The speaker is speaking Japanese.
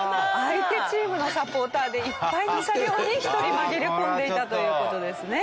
相手チームのサポーターでいっぱいの車両に１人紛れ込んでいたという事ですね。